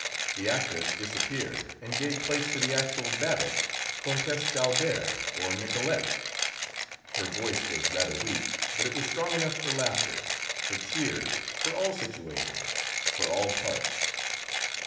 The actress disappeared, and gave place to the actual Babet, Countess d'Albert, or Nicolette. Her voice was rather weak, but it was strong enough for laughter, for tears, for all situations, for all parts.